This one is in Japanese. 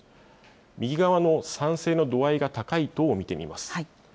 右側の賛成の度合いが高い党を見てみます。